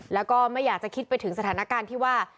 แล้วก็ไม่อยากจะคิดไปถึงสถานการณ์ที่ว่า